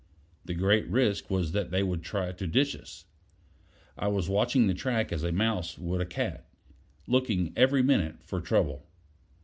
The great risk was that they would try to ditch us. I was watching the track as a mouse would a cat, looking every minute for trouble.